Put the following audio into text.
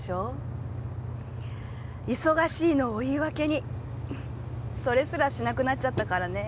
忙しいのを言い訳にそれすらしなくなっちゃったからねえ。